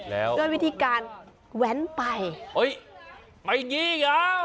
แล้ววิธีการแว้นไปโอ้ยไม่นี่อย่า